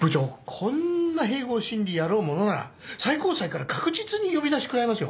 こんな併合審理やろうものなら最高裁から確実に呼び出し食らいますよ。